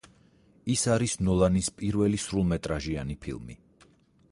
ის არის ნოლანის პირველი სრულმეტრაჟიანი ფილმი.